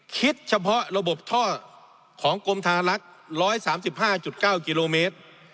คิดเฉพาะระบบท่อของกรมธารักษ์๑๓๕๙กิโลเมตร